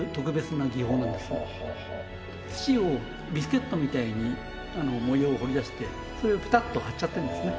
土をビスケットみたいに模様を彫り出してそれをピタッと貼っちゃってるんですね。